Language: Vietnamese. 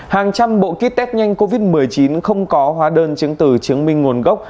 hàng trăm bộ kit test nhanh covid một mươi chín không có hóa đơn chứng từ chứng minh nguồn gốc